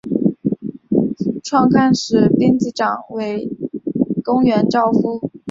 创刊时的编辑长为宫原照夫。